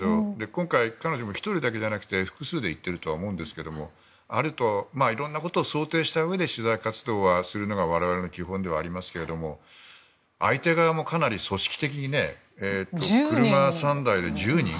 今回、彼女も１人だけでなくて複数で行っていると思うんですが色んなことを想定したうえで取材活動をするのが我々の基本ではありますが相手側もかなり組織的に車３台で１０人。